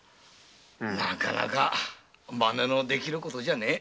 なかなかマネのできることじゃねぇ。